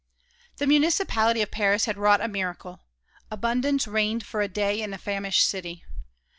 The Municipality of Paris had wrought a miracle, abundance reigned for a day in the famished city.